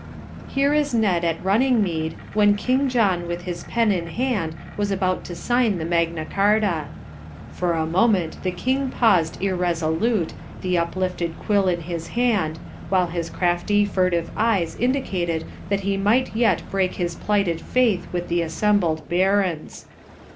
'" Here is Ned at Runningmede when King John with his pen in hand was about to sign the Magna Carta. "For a moment the King paused irresolute, the uplifted quill in his hand, while his crafty, furtive eyes indicated that he might yet break his plighted faith with the assembled barons.